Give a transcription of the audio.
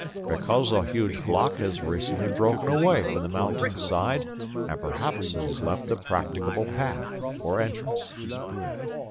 "Because a huge block has recently broken away from the mountain side and perhaps it has left a practicable path or entrance."